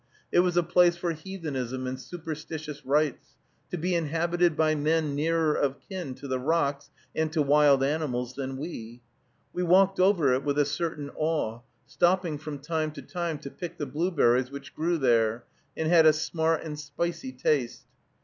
It was a place for heathenism and superstitious rites, to be inhabited by men nearer of kin to the rocks and to wild animals than we. We walked over it with a certain awe, stopping, from time to time, to pick the blueberries which grew there, and had a smart and spicy taste.